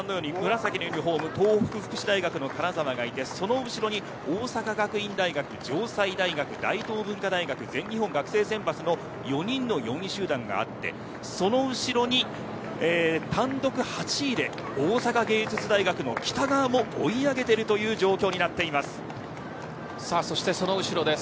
紫のユニホーム東北福祉大学の金澤がいてその後ろに大阪学院大学城西大学、大東文化大学全日本大学選抜の４人の集団があってその後ろに単独８位で大阪芸術大学の北川がそして、その後ろです。